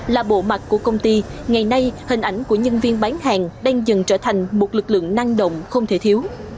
là bộ mặt của công ty ngày nay hình ảnh của nhân viên bán hàng đang dần trở thành một lực lượng năng động không thể thiếu